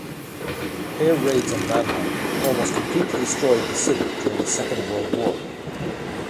Air raids on Mannheim almost completely destroyed the city during the Second World War.